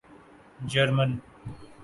German